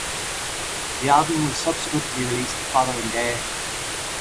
The album was subsequently released the following day.